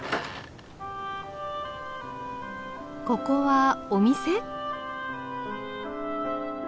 ここはお店？